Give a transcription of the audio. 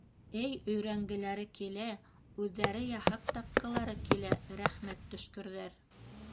- Эй өйрәнгеләре килә, үҙҙәре яһап таҡҡылары килә, рәхмәт төшкөрҙәр.